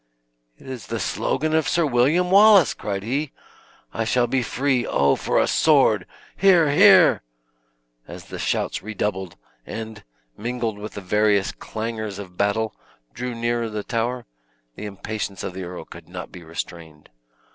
"It is the slogan of Sir William Wallace!" cried he; "I shall be free! O, for a sword! Hear, hear!" As the shouts redoubled, and, mingled with the various clangors of battle, drew nearer the tower, the impatience of the earl could not be restrained.